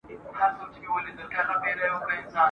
لقمانه ډېر به راوړې د خپل عقل مرهمونه ..